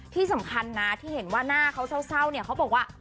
ที่สำคัญนะที่เห็นว่าหน้าเขาเศร้าเนี่ยเขาบอกว่า